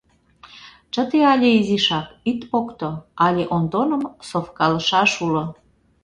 Чыте але изишак, ит покто: але Онтоным совкалышаш уло.